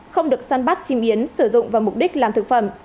không được săn bắt chim yến sử dụng vào mục đích làm thực phẩm